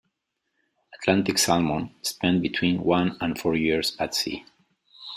Atlantic salmon spend between one and four years at sea.